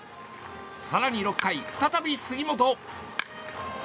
更に６回、再び杉本。